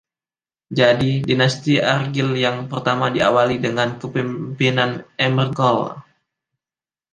Jadi, dinasti Urgell yang pertama diawali dengan kepemimpinan Ermengol I.